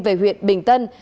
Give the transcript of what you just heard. về huyện bình tân